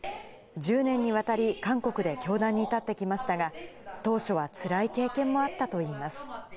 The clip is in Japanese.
１０年にわたり、韓国で教壇に立ってきましたが、当初はつらい経験もあったといいます。